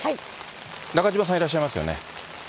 中島さん、いらっしゃいますよね？